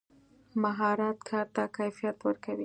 مهارت کار ته کیفیت ورکوي.